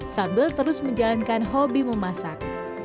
sambil terus menjalankan hobi memasak